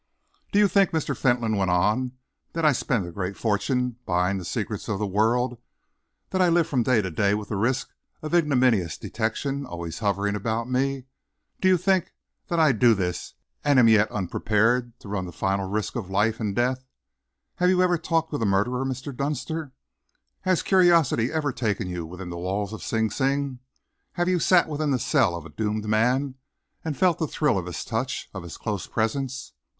"Do you think," Mr. Fentolin went on, "that I spend a great fortune buying the secrets of the world, that I live from day to day with the risk of ignominious detection always hovering about me do you think that I do this and am yet unprepared to run the final risks of life and death? Have you ever talked with a murderer, Mr. Dunster? Has curiosity ever taken you within the walls of Sing Sing? Have you sat within the cell of a doomed man and felt the thrill of his touch, of his close presence?